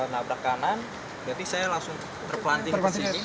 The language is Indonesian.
nabrak kanan berarti saya langsung terpelanting di sini